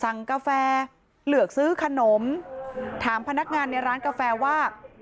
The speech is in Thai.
กาแฟเลือกซื้อขนมถามพนักงานในร้านกาแฟว่า